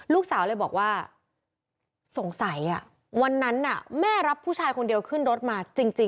ลูกสาวเลยบอกว่าสงสัยวันนั้นแม่รับผู้ชายคนเดียวขึ้นรถมาจริง